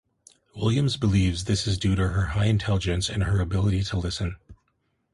Williams believes this is due to her high intelligence and her ability to listen.